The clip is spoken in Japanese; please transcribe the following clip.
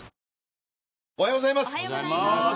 おはようございます。